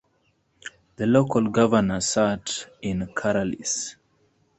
The local governor sat in Caralis.